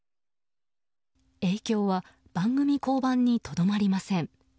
影響は番組降板にとどまりません。